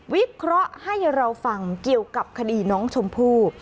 วิเคราะห์ให้เราฟังเกี่ยวกับคดีน้องชมพู่